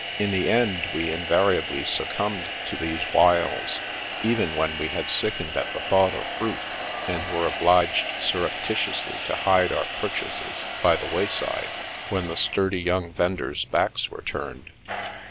In the end, we invariably succumbed to these wiles, even when we had sickened at the thought of fruit, and were obliged surreptitiously to hide our purchases by the wayside, when the sturdy young vendors* backs were turned.